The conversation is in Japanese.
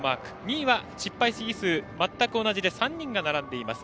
２位は、失敗試技数全く同じで３人が並んでいます。